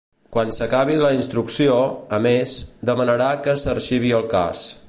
Quan s’acabi la instrucció, a més, demanarà que s’arxivi el cas.